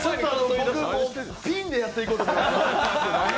僕、ピンでやっていこうと思います。